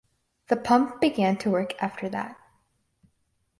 The pump began to work after that.